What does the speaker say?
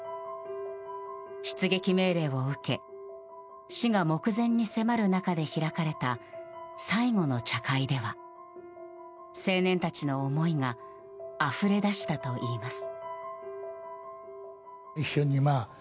出撃命令を受け死が目前に迫る中で開かれた最後の茶会では青年たちの思いがあふれ出したといいます。